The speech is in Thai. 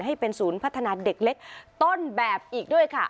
ให้เป็นศูนย์พัฒนาเด็กเล็กต้นแบบอีกด้วยค่ะ